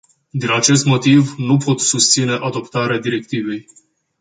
Din acest motiv, nu pot susține adoptarea directivei.